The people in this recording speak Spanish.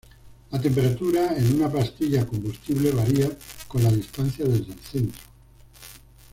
La temperatura en una pastilla combustible varía con la distancia desde el centro.